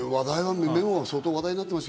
メモは相当話題になってました。